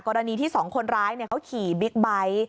กรณีที่๒คนร้ายเขาขี่บิ๊กไบท์